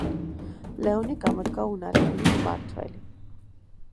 ლეონი გამოდგა უნარიანი მმართველი.